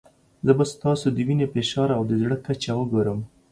زه به ستاسو د وینې فشار او د زړه کچه وګورم.